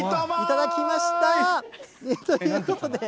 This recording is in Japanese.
頂きました！ということで。